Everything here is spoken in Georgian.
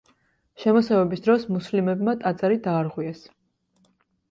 შემოსევების დროს მუსლიმებმა ტაძარი დაარღვიეს.